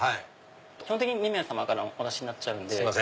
基本的に２名さまからのお出しになっちゃうんで。